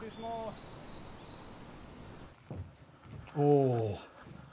おお。